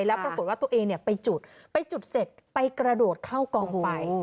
แล้วปรากฏว่าตัวเองไปจุดไปจุดเสร็จไปกระโดดเข้ากองไฟ